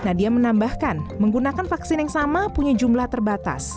nadia menambahkan menggunakan vaksin yang sama punya jumlah terbatas